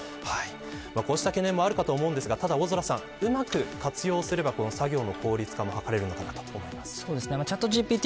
こうした懸念もあるかと思いますが大空さん、うまく活用すれば作業の効率化も図れると思います。